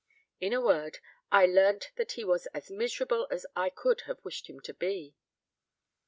In a word, I learnt that he was as miserable as I could have wished him to be."